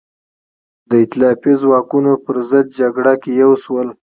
د ایتلافي ځواکونو پر ضد جګړه کې یو شول.